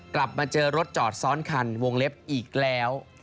กลับมาเจอรถจอดซ้อนคันวงเล็บอีกแล้ว